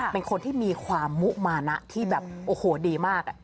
เป็นคนที่มีความมุมานะที่ดีมาก